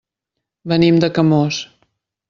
Venim de Camós.